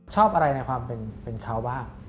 ชอบอะไรในความเป็นเขาบ้าง